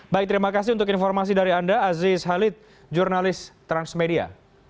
baik terima kasih untuk informasi dari anda aziz halid jurnalis transmedia